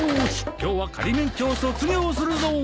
今日は仮免許を卒業するぞ！